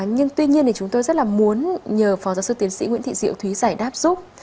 nhưng tuy nhiên thì chúng tôi rất là muốn nhờ phó giáo sư tiến sĩ nguyễn thị diệu thúy giải đáp giúp